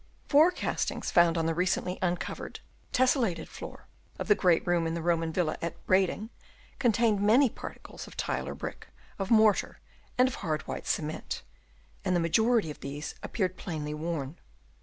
Four castings found on the recently un covered, tesselated floor of the great room in the Roman villa at Brading, contained many particles of tile or brick, of mortar, and of hard white cement ; and the majority of these appeared plainly worn.